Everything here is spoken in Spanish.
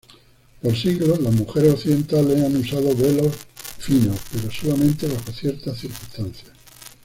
Por siglos, las mujeres occidentales han usado velos finos, pero solamente bajo ciertas circunstancias.